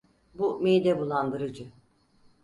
Bu mide bulandırıcı.